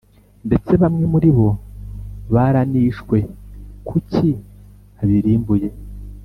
ndetse bamwe muri bo baranishwe. kuki abirimbuye